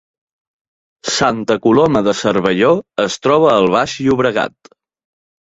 Santa Coloma de Cervelló es troba al Baix Llobregat